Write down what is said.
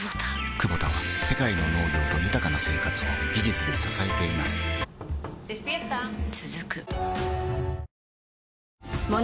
クボタは世界の農業と豊かな生活を技術で支えています起きて。